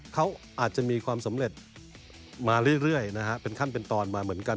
เขาอาจจะมีความสำเร็จมาเรื่อยนะฮะเป็นขั้นเป็นตอนมาเหมือนกัน